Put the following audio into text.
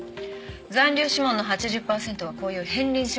残留指紋の８０パーセントはこういう片鱗指紋なのよ。